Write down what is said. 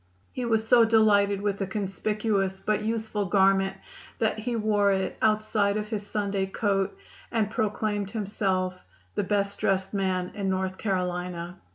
He was so delighted with the conspicuous but useful garment that he wore it outside of his Sunday coat and proclaimed himself "the best dressed man in North Carolina."